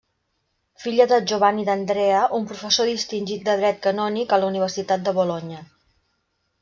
Filla de Giovanni d'Andrea, un professor distingit de dret canònic a la Universitat de Bolonya.